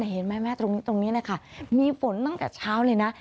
เห็นไหมแม่ตรงนี้นะคะมีฝนตั้งแต่เช้าเลยนะ